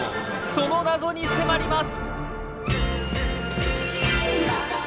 その謎に迫ります！